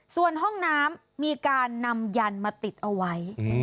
ส่วนห้องน้ำมีการนำยันมาติดเอาไว้